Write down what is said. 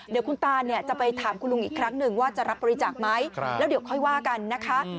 เดี๋ยวคุณตาเนี่ยจะไปถามคุณลุงอีกครั้งหนึ่งว่าจะรับบริจาคไหมแล้วเดี๋ยวค่อยว่ากันนะคะ